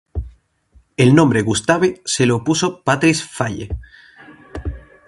El nombre Gustave se lo puso Patrice Faye.